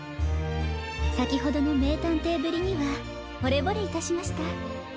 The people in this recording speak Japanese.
さきほどのめいたんていぶりにはほれぼれいたしました。